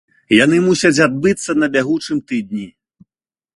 Яны мусяць адбыцца на бягучым тыдні.